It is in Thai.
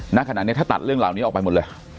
หน้าขณะนั้นถ้าตัดเหล่านั้นออกไปหมดเลย